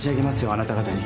あなた方に。